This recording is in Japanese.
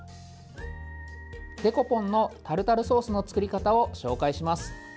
デコポンのタルタルソースの作り方を紹介します。